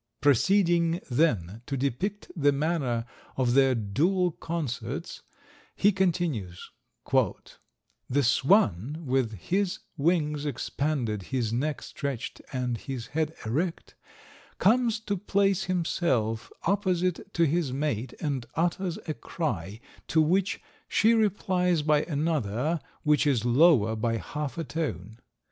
Proceeding then to depict the manner of their dual concerts, he continues: "The swan, with his wings expanded, his neck stretched and his head erect, comes to place himself opposite to his mate, and utters a cry to which she replies by another which is lower by half a tone.